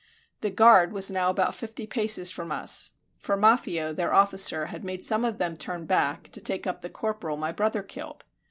The guard was now about fifty paces from us; for Maffio, their officer, had made some of them turn back to take up the corporal my brother killed.